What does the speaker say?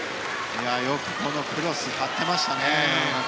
よくこのクロス張っていましたね。